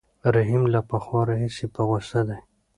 رحیم له پخوا راهیسې په غوسه دی.